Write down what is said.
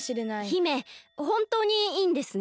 姫ほんとうにいいんですね？